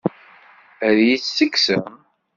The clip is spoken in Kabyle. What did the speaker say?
Ad iyi-tt-tekksem?